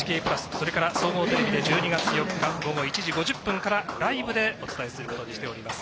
それから総合テレビで１２月４日午後１時５０分からライブでお伝えすることにしています。